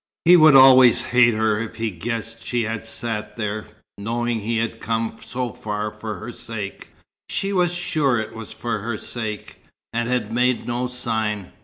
He would always hate her if he guessed she had sat there, knowing he had come so far for her sake? she was sure it was for her sake and had made no sign.